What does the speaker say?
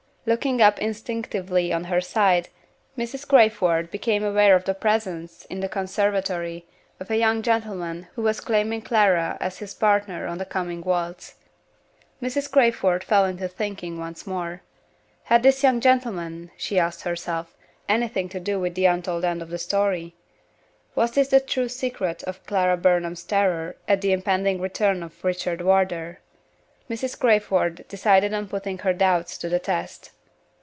Looking up instinctively on her side, Mrs. Crayford became aware of the presence, in the conservatory, of a young gentleman who was claiming Clara as his partner in the coming waltz. Mrs. Crayford fell into thinking once more. Had this young gentleman (she asked herself) anything to do with the untold end of the story? Was this the true secret of Clara Burnham's terror at the impending return of Richard Wardour? Mrs. Crayford decided on putting her doubts to the test.